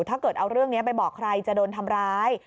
ถ้าเกิดเอาเรื่องนี้ไปบอกใครจะโดนทำร้าย